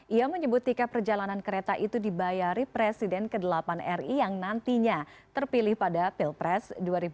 ia menyebut jika perjalanan kereta itu dibayari presiden ke delapan ri yang nantinya terpilih pada pilpres dua ribu sembilan belas